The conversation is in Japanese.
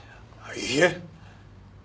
いいえ。